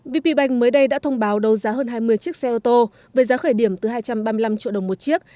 vp bank mới đây đã thông báo đấu giá hơn hai mươi chiếc xe ô tô với giá khởi điểm từ hai trăm ba mươi năm triệu đồng một chiếc